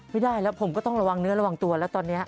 ไม่ได้แล้วผมก็ต้องระวังเนื้อระวังตัวแล้วตอนนี้